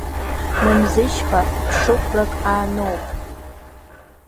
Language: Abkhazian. Мамзышьха ԥшыхәрак ааноуп.